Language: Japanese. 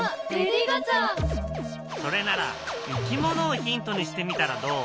それならいきものをヒントにしてみたらどう？